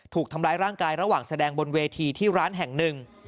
ถูกทำร้ายร่างกายระหว่างแสดงบนเวทีที่ร้านแห่งหนึ่ง